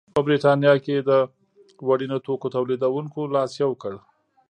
په برېټانیا کې د وړینو توکو تولیدوونکو لاس یو کړ.